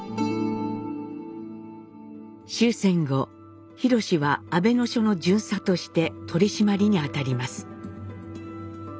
終戦後廣は阿倍野署の巡査として取締りに当たります。